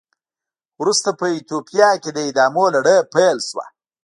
ورسته په ایتوپیا کې د اعدامونو لړۍ پیل شوه.